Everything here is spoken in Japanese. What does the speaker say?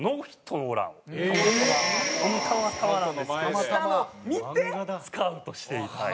したのを見てスカウトして頂いた。